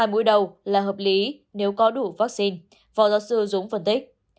hai mũi đầu là hợp lý nếu có đủ vaccine phó giáo sư dúng phân tích